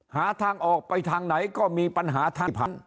หาทางออกไปทางไหนก็มีปัญหาที่ผ่าน